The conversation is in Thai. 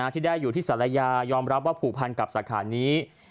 ที่ได้อยู่ที่ศาลายายอมรับว่าผูกพันกับสาขานี้